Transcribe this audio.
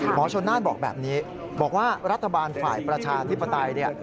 หมอชนน่านบอกแบบนี้บอกว่ารัฐบาลฝ่ายประชาธิปไตยเนี่ย